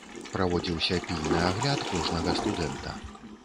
Праводзіўся пільны агляд кожнага студэнта.